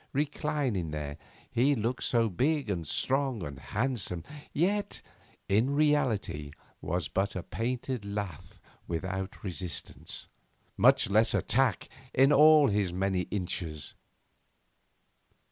Reclining there, he looked so big and strong and handsome, yet in reality was but a painted lath without resistance, much less attack, in all his many inches.